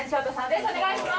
お願いします。